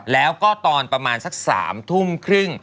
แล้วก็ตอนประมาณสัก๓ทุ่มครึ่ง